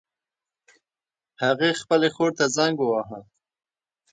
هغې خپلې خور ته زنګ وواهه